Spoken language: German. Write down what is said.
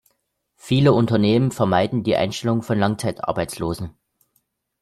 Viele Unternehmen vermeiden die Einstellung von Langzeitarbeitslosen.